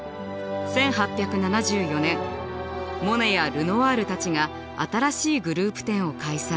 １８７４年モネやルノワールたちが新しいグループ展を開催。